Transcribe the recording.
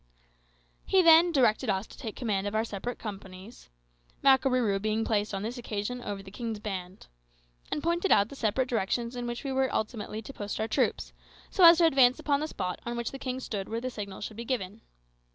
He then directed us to take command of our several companies (Makarooroo being placed on this occasion over the king's band), and pointed out the separate directions in which we were ultimately to post our troops, so as to advance upon the spot on which the king stood when the signal should be given.